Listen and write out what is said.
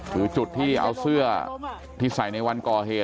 คือจุดที่เอาเสื้อที่ใส่ในวันก่อเหตุ